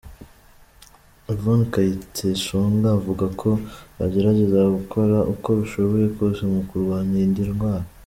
Yvonne Kayiteshonga, avuga ko bagerageza gukora uko bashoboye kose mu kurwanya iyi ndwara.